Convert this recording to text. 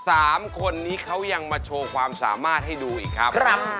สามคนนี้เขายังมาโชว์ความสามารถให้ดูอีกครับ